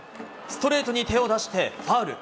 ストレートに手を出してファウル。